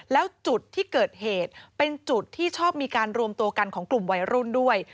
แล้วจุดที่เกิดเหตุเป็นจุดที่ชอบมีการรวมตัวกันของกลุ่มวัยรุ่นด้วย